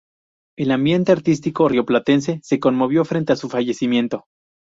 El ambiente artístico rioplatense se conmovió frente a su fallecimiento.